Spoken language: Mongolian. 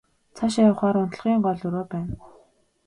Цаашаа явахаар унтлагын гол өрөө байна.